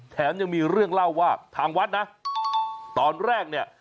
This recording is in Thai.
แถมยังมีเรื่องเล่าว่าทางวัดนะตอนแรกเนี่ย